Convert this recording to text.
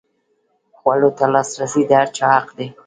خوړو ته لاسرسی د هر چا حق دی.